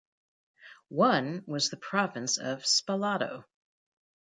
One was the province of Spalato.